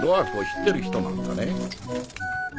知ってる人なんだね。